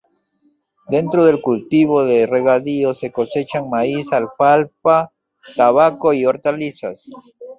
Dentro del cultivo de regadío se cosechan maíz, alfalfa, tabaco y hortalizas.